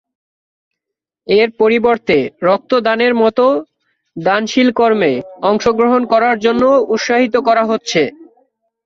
এর পরিবর্তে রক্ত দানের মত দানশীল কর্মে অংশ গ্রহণ করার জন্য উৎসাহিত করা হচ্ছে।